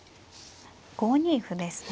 ５二歩ですね。